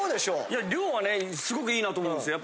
いや量はねすごくいいなと思うんですよ。